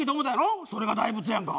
それが大仏やんか。